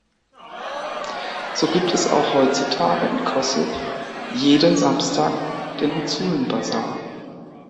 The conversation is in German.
So gibt es auch heutzutage in Kossiw jeden Samstag den "Huzulen-Basar".